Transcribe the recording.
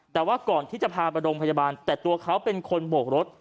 แต่ว่าก่อนที่จะพาไปโรงพยาบาลแต่ตัวเขาเป็นคนโบกรถ